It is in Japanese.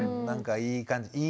なんかいい感じ。